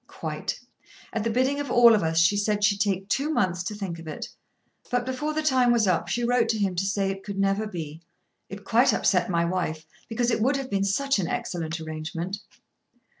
"Quite. At the bidding of all of us she said she'd take two months to think of it. But before the time was up she wrote to him to say it could never be. It quite upset my wife; because it would have been such an excellent arrangement."